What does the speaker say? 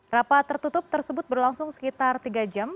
rapat tertutup tersebut berlangsung sekitar tiga jam